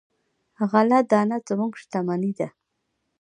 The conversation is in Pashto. غله دانه زموږ شتمني ده.